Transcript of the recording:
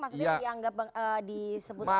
maksudnya dianggap disebut konservasi